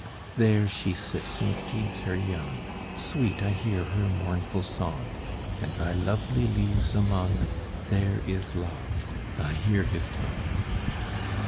There she sits and feeds her young; Sweet I hear her mournful song; And thy lovely leaves among, There is Love: I hear his tongue.